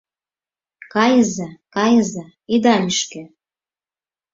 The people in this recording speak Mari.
Кайыза, кайыза, ида лӱшкӧ.